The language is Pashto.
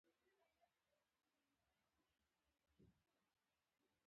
عصري تعلیم مهم دی ځکه چې د بګ ډاټا تحلیل اسانوي.